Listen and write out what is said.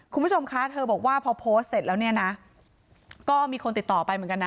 คุณผู้ชมคะเธอบอกว่าพอโพสต์เสร็จแล้วเนี่ยนะก็มีคนติดต่อไปเหมือนกันนะ